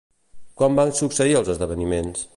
Quan van succeir els esdeveniments?